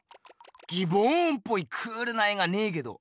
ギボーンっぽいクールな絵がねえけど。